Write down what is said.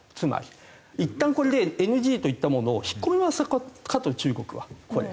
いったんこれでＮＧと言ったものを引っ込めますかと中国はこれ。